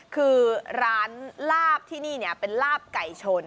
คือร้านลาบที่นี่เป็นลาบไก่ชน